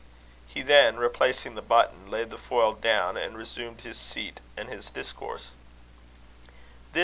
He then, replacing the button, laid the foil down, and resumed his seat and his discourse.